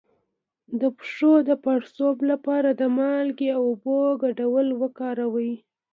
د پښو د پړسوب لپاره د مالګې او اوبو ګډول وکاروئ